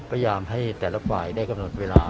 พยายามให้แต่ละฝ่ายได้กำหนดเวลา